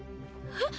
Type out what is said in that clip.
えっ？